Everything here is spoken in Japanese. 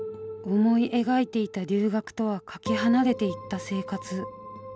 思い描いていた留学とはかけ離れていった生活。